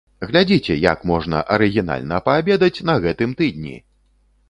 Глядзіце, як можна арыгінальна паабедаць на гэтым тыдні!